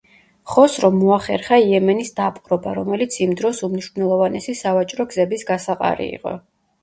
ხოსრომ მოახერხა იემენის დაპყრობა, რომელიც იმ დროს უმნიშვნელოვანესი სავაჭრო გზების გასაყარი იყო.